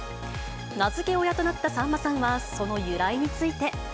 名付け親となったさんまさんは、その由来について。